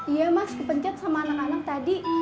iya mas kepencet sama anak anak tadi